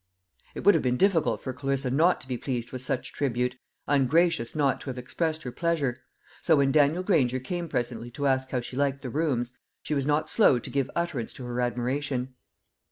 It would have been difficult for Clarissa not to be pleased with such tribute, ungracious not to have expressed her pleasure; so when Daniel Granger came presently to ask how she liked the rooms, she was not slow to give utterance to her admiration.